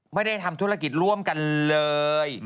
ไม่ได้ทำธุรกิจร่วมกันเลย